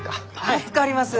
助かります！